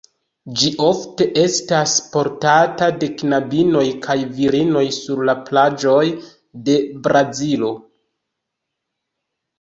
Ĝi ofte estas portata de knabinoj kaj virinoj sur la plaĝoj de Brazilo.